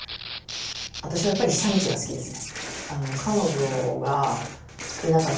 私はやっぱり久通が好きですね。